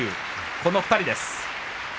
この２人です。